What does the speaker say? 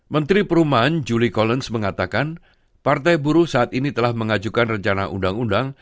menteri perumahan julie collins mengatakan partai buruh saat ini telah mengajukan rencana undang undang